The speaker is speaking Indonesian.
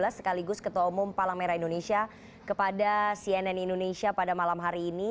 sekaligus ketua umum palang merah indonesia kepada cnn indonesia pada malam hari ini